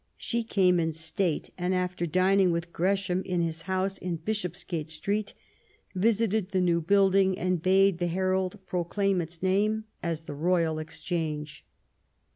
She came in state, and after dining with Gresham in his house in Bishopsgate I50 QUEEN ELIZABETH, Street, visited the new building, and bade the herald proclaim its name as the Royal Exchange.